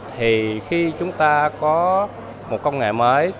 thì khi chúng ta có một công nghệ mới